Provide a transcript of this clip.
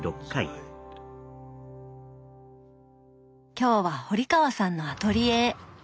今日は堀川さんのアトリエへ。